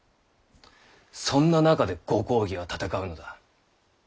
そんな中でご公儀は戦うのだ。